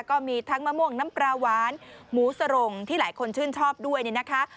ก็มีทั้งมะม่วงน้ำปลาหวานหมูสรงที่หลายคนชื่นชอบด้วยเนี่ยนะคะ